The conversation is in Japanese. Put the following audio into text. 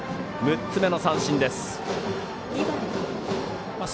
６つ目の三振です。